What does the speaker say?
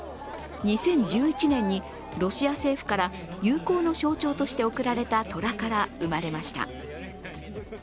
２０１１年にロシア政府から友好の象徴として贈られたトラから生まれました。